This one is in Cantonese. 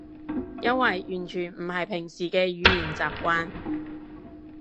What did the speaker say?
因為完全唔係平時嘅語言習慣